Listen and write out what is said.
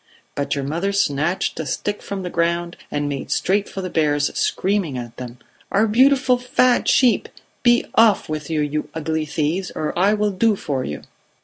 But your mother snatched a stick from the ground and made straight for the bears, screaming at them: 'Our beautiful fat sheep! Be off with you, you ugly thieves, or I will do for you!'